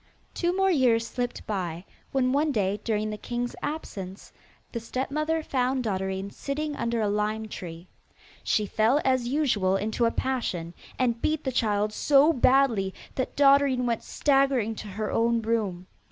Two more years slipped by, when one day during the king's absence the stepmother found Dotterine sitting under a lime tree. She fell as usual into a passion, and beat the child so badly that Dotterine went staggering to her own room.